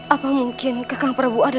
apa mungkin kakang perabu ada di sini